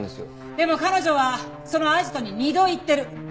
でも彼女はそのアジトに２度行ってる。